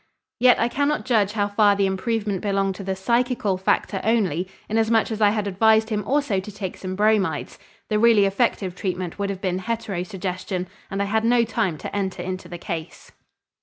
Yet I cannot judge how far the improvement belonged to the psychical factor only, inasmuch as I had advised him also to take some bromides. The really effective treatment would have been heterosuggestion and I had no time to enter into the case.